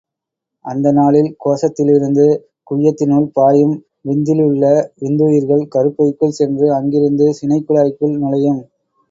அந்த நாளில் கோசத்திலிருந்து குய்யத்தினுள் பாயும் விந்திலுள்ள விந்துயிர்கள் கருப்பைக்குள் சென்று அங்கிருந்து சினைக்குழாய்களுக்குள் நுழையும்.